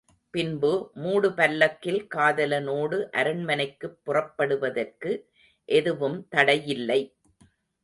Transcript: பின்பு மூடுபல்லக்கில் காதலனோடு அரண்மனைக்குப் புறப்படுவதற்கு எதுவும் தடையில்லை.